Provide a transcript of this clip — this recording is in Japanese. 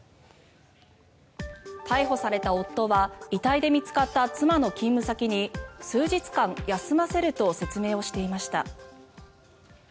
逮捕された夫は遺体で見つかった妻の勤務先に数日間休ませると説明をしていました。